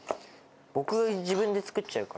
僕、自分で作っちゃうから。